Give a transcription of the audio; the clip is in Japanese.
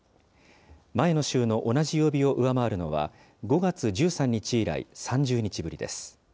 前の週の同じ曜日を上回るのは、５月１３日以来３０日ぶりです。